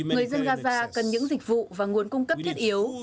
người dân gaza cần những dịch vụ và nguồn cung cấp thiết yếu